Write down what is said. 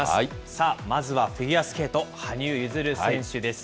さあ、まずはフィギュアスケート、羽生結弦選手です。